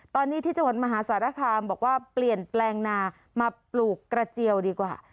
ตอนนี้ที่จังหวัดมหาสารคามบอกว่าเปลี่ยนแปลงนามาปลูกกระเจียวดีกว่า